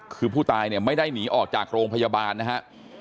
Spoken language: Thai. คือผู้ตายเนี่ยไม่ได้หนีออกจากโรงพยาบาลนะฮะ